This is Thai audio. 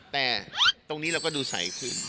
แต่ตรงนี้เราก็ดูใสขึ้น